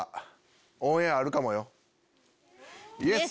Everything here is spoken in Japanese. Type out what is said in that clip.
⁉イエス！